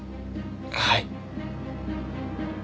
はい。